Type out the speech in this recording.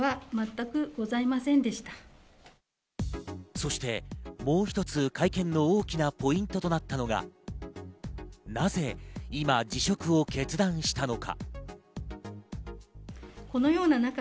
そしてもう一つ、会見の大きなポイントとなったのがなぜ今、辞職を決断したのか。